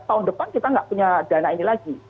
tahun depan kita nggak punya dana ini lagi